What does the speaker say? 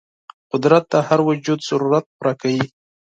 قدرت د هر موجود ضرورت پوره کوي.